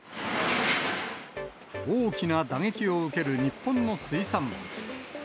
大きな打撃を受ける日本の水産物。